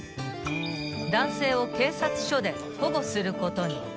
［男性を警察署で保護することに］